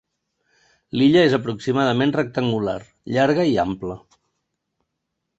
L'illa és aproximadament rectangular, llarga i ampla.